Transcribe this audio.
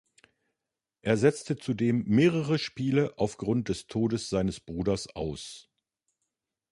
Er setzte zudem mehrere Spiele aufgrund des Todes seines Bruders aus.